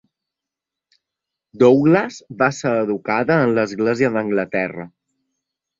Douglas va ser educada en l'Església d'Anglaterra.